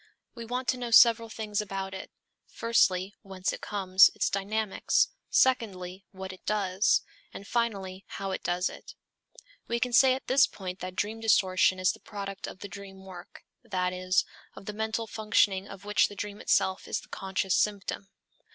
We want to know several things about it; firstly, whence it comes, its dynamics; secondly, what it does; and finally, how it does it. We can say at this point that dream distortion is the product of the dream work, that is, of the mental functioning of which the dream itself is the conscious symptom.